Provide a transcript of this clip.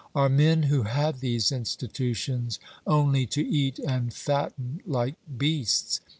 Are men who have these institutions only to eat and fatten like beasts?